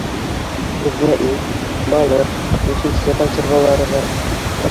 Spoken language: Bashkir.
Беҙҙә ит, балыҡ, йәшелсә консервалары бар.